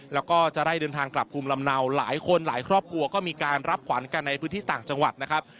แล้วก็จะได้เดินทางกลับภูมิลำเนาหลายคนหลายครอบครัวก็มีการรับขวัญกันในพื้นที่ต่างจังหวัดนะครับ